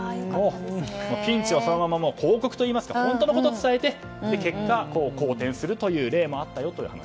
ピンチをそのまま広告といいますか本当のことを伝えて好転するという例もありました。